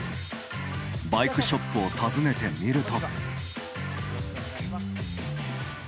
バイクショップを訪ねてみると。